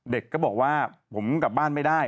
เด็กก็บอกว่าผมกลับบ้านไม่ได้